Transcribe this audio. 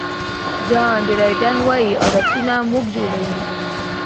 جان ډرایډن وایي عادتونه موږ جوړوي.